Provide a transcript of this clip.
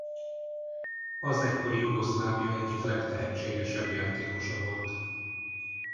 Az egykori Jugoszlávia egyik legtehetségesebb játékosa volt.